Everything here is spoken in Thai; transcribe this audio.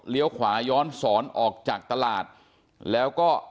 ขวาย้อนสอนออกจากตลาดแล้วก็